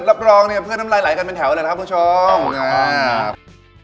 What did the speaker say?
รับรองเนี่ยเพื่อนน้ำลายไหลกันเป็นแถวเลยนะครับคุณผู้ชมครับ